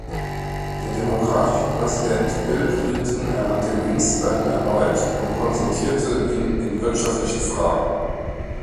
Der demokratische Präsident Bill Clinton ernannte Greenspan erneut und konsultierte ihn in wirtschaftlichen Fragen.